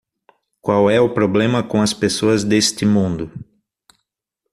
qual é o problema com as pessoas deste mundo